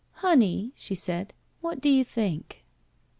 "Honey," she said, "what do you think?"